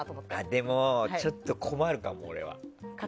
でもちょっと困るかも、俺は。